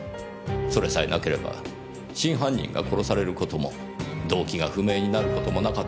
それさえなければ真犯人が殺される事も動機が不明になる事もなかったんです。